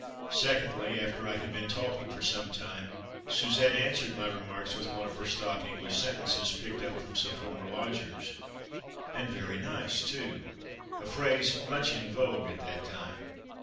Secondly, after I had been talking for some time, Suzette answered my remarks with one of her stock English sentences, picked up from some former lodgers, "And very nice too," a phrase much in vogue at that time.